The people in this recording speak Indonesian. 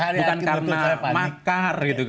bukan karena makar